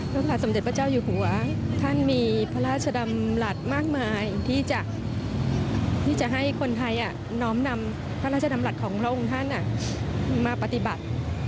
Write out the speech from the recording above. พระบาทสมเด็จพระเจ้าอยู่หัวท่านมีพระราชดำรัฐมากมายที่จะให้คนไทยน้อมนำพระราชดำรัฐของพระองค์ท่านมาปฏิบัติ